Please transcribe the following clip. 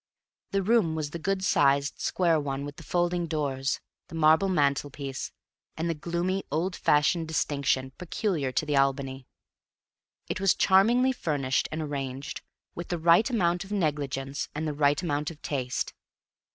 The room was the good sized, square one, with the folding doors, the marble mantel piece, and the gloomy, old fashioned distinction peculiar to the Albany. It was charmingly furnished and arranged, with the right amount of negligence and the right amount of taste.